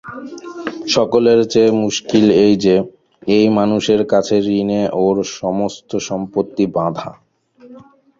সকলের চেয়ে মুশকিল এই যে, এই মানুষের কাছে ঋণে ওর সমস্ত সম্পত্তি বাঁধা।